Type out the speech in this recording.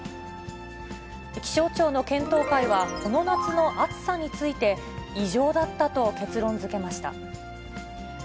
気象庁の検討会はこの夏の暑さについて、異常だったと結論づけました。